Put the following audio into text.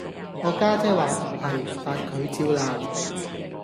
我家姐話唔係，但佢照鬧